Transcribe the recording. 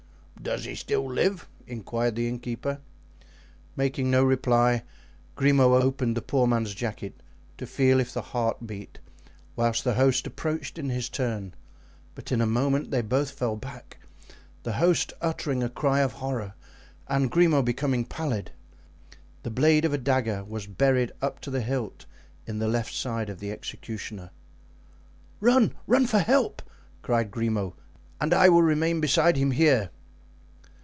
"Does he still live?" inquired the innkeeper. Making no reply, Grimaud opened the poor man's jacket to feel if the heart beat, whilst the host approached in his turn; but in a moment they both fell back, the host uttering a cry of horror and Grimaud becoming pallid. The blade of a dagger was buried up to the hilt in the left side of the executioner. "Run! run for help!" cried Grimaud, "and I will remain beside him here."